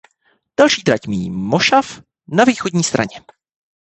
Další trať míjí mošav na východní straně.